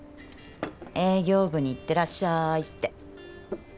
営業部に行ってらっしゃいって。